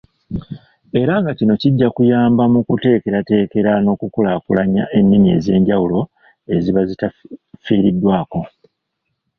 Era nga kino kijja kuyamba mu kuteekerateekera n'okukulaakulanya ennimi ez'enjawulo eziba zitafiiriddwako.